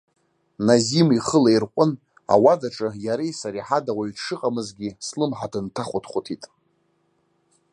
Назим ихы лаирҟәын ауадаҿы иареи сареи ҳада уаҩ дшыҟамызгьы слымҳа дынҭахәыҭхәыҭит.